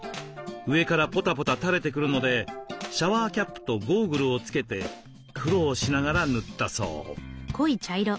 上からぽたぽたたれてくるのでシャワーキャップとゴーグルをつけて苦労しながら塗ったそう。